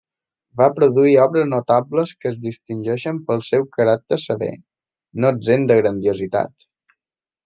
Va produir obres notables que es distingeixen pel seu caràcter sever, no exempt de grandiositat.